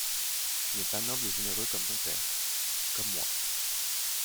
Tu n'es pas noble et généreux comme ton père, comme moi.